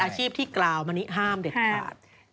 ๒๘อาชีพที่กล่าวมานี้ห้ามเด็ดขาด